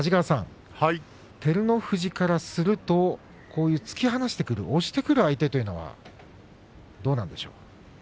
照ノ富士からするとこういう突き放してくる押してくる相手というのはどうなんでしょう。